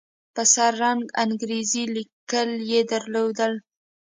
په سره رنگ انګريزي ليکل يې درلودل.